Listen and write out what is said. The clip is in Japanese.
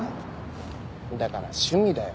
だから趣味だよ。